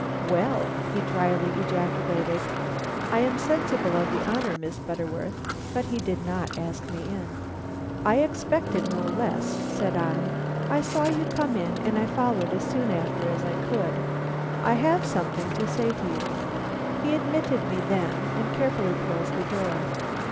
"Well!" he dryly ejaculated, "I am sensible of the honor, Miss Butterworth." But he did not ask me in. "I expected no less," said I. "I saw you come in, and I followed as soon after as I could. I have something to say to you." He admitted me then and carefully closed the door.